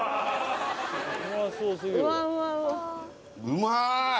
うまい！